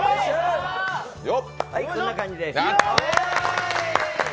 はい、こんな感じです。